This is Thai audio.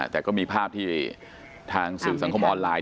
แต่ก็มีภาพที่ทางสื่อสังคมออนไลน